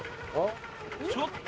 ちょっと。